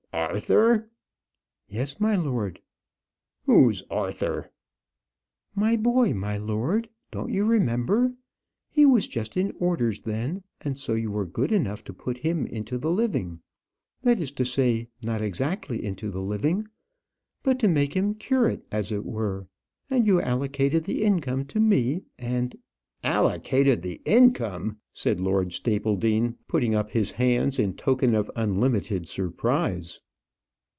"Arthur!" "Yes, my lord." "Who's Arthur?" "My boy, my lord. Don't you remember? He was just in orders then, and so you were good enough to put him into the living that is to say, not exactly into the living; but to make him curate, as it were; and you allocated the income to me; and " "Allocated the income!" said Lord Stapledean, putting up his hands in token of unlimited surprise.